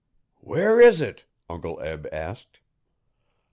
'Where is it?' Uncle Eb asked.